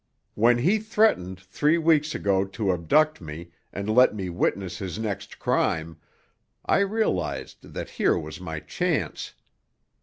When he threatened three weeks ago to abduct me and let me witness his next crime, I realized that here was my chance.